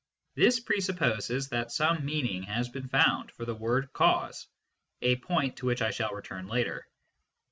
This presupposes that some meaning has been found for the word " cause " a point to which I shall return later.